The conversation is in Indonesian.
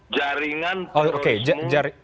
jaringan terorisme ji